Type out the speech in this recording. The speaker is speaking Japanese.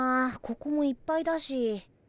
ここもいっぱいだし。